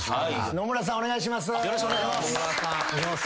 野村さんお願いします。